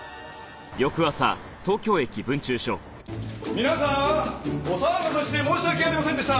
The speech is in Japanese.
皆さんお騒がせして申し訳ありませんでした。